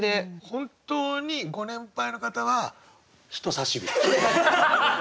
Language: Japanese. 本当にご年配の方は人さし指。